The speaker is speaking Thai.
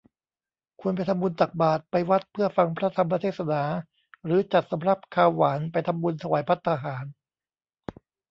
ควรไปทำบุญตักบาตร ไปวัดเพื่อฟังพระธรรมเทศนา หรือจัดสำรับคาวหวานไปทำบุญถวายภัตตาหาร